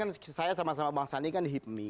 kebetulan saya sama sama bang sandi di hipmi